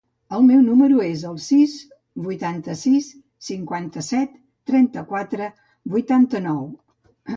El meu número es el sis, vuitanta-sis, cinquanta-set, trenta-quatre, vuitanta-nou.